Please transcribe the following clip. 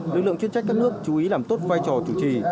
lực lượng chuyên trách các nước chú ý làm tốt vai trò chủ trì